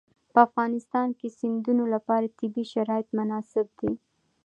په افغانستان کې د سیندونه لپاره طبیعي شرایط مناسب دي.